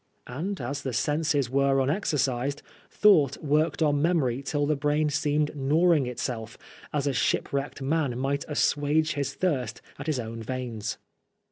And as the senses were unexercised, thought worked on memory till the brain seemed gnawing itself, as a shipwrecked man might assuage his thirst at his own veins.